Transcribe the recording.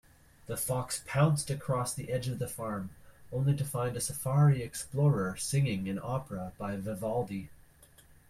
The fox pounced across the edge of the farm, only to find a safari explorer singing an opera by Vivaldi.